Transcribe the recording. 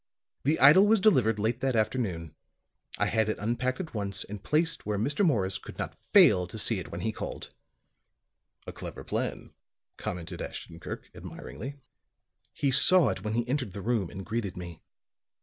The idol was delivered late that afternoon. I had it unpacked at once and placed where Mr. Morris could not fail to see it when he called." "A clever plan," commented Ashton Kirk, admiringly. "He saw it when he entered the room and greeted me.